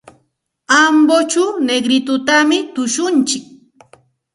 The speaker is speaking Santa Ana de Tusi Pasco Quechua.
Ambochaw Negritotami tushuntsik.